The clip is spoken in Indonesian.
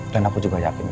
dan aku juga ingat dosennya